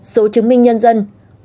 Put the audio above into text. số chứng minh nhân dân